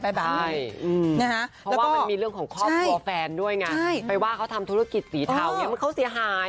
เพราะว่ามันมีเรื่องของครอบครัวแฟนด้วยไงไปว่าเขาทำธุรกิจสีเทาเนี่ยเขาเสียหาย